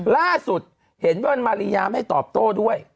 ล่าสุดเห็นแว่นมาริยาไม่ตอบโต้ด้วย